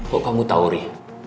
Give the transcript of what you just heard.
kok kamu tahu ri